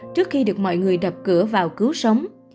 trước khi được mọi người đập cửa vào cứu sống